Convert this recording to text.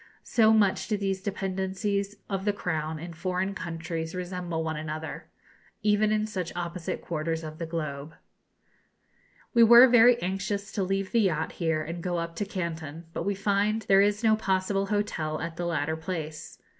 so much do these dependencies of the Crown in foreign countries resemble one another, even in such opposite quarters of the globe. We were very anxious to leave the yacht here and to go up to Canton; but we find there is no possible hotel at the latter place.